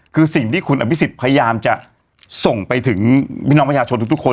คือสิ่งที่คุณอับวิสิตพยายามจะส่งไปถึงวิทยาชนทุกคน